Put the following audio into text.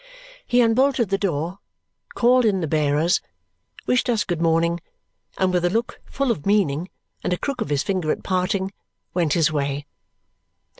He unbolted the door, called in the bearers, wished us good morning, and with a look full of meaning and a crook of his finger at parting went his way.